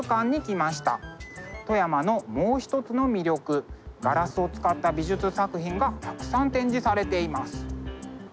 富山のもう一つの魅力ガラスを使った美術作品がたくさん展示されています。